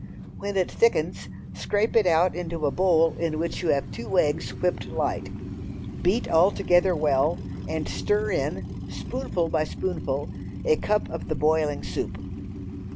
When it thickens scrape it out into a bowl in which you have two eggs whipped light. Beat all together well, and stir in, spoonful by spoonful, a cupful of the boiling soup.